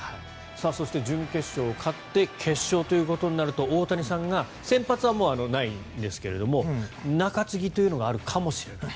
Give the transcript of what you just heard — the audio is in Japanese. そして準決勝勝って決勝ということになると大谷さんが先発はないですが中継ぎというのがあるかもしれない。